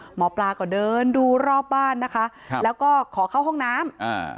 หมอปลาก็เดินดูรอบบ้านนะคะครับแล้วก็ขอเข้าห้องน้ำอ่า